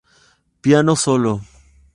Piano Solo